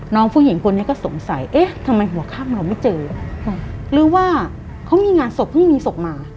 น้องผู้หญิงคนนี้ก็สงสัยเอ๊ะทำไมหัวข้ามเราไม่เจอหรือว่าเขามีงานศพเพิ่งมีศพมา